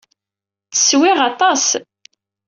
Ttswiɣ aṭṭaṣ